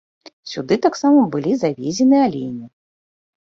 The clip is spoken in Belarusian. Сюды таксама былі завезены алені.